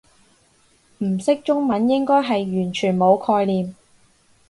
唔識中文應該係完全冇概念